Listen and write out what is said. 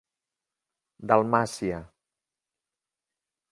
Dalmàcia.